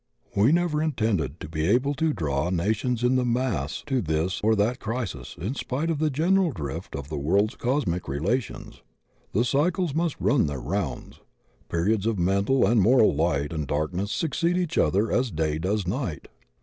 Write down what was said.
We never pretended to be able to draw na tions in the mass to this or that crisis in spite of the general drift of the world's cosmic relations. The cycles must run their rounds. Periods of mental and moral light and darkness succeed each other as day does nigjit.